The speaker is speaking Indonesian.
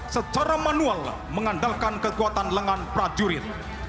secara manual mengandalkan kekuatan lengan prajurit